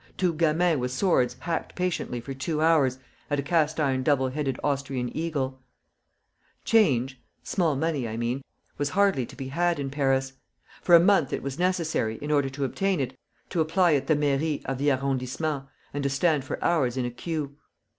Two gamins with swords hacked patiently for two hours at a cast iron double headed Austrian eagle. Change (small money, I mean) was hardly to be had in Paris. For a month it was necessary, in order to obtain it, to apply at the Mairie of the Arrondissement, and to stand for hours in a queue.